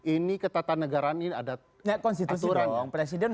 ini ketatanegaraan ini ada aturan